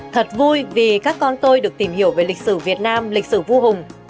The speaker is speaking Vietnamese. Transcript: thật vui vì các con tôi được tìm hiểu về lịch sử việt nam lịch sử vua hùng